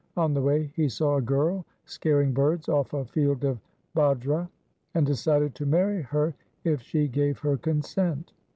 On the way he saw a girl scaring birds off a field of bajra, 1 and decided to marry her if she gave her consent.